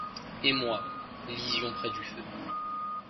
Et moi, lisions près du feu